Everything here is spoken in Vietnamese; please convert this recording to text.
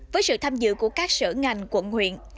với sự tham dự của các sở ngành quận huyện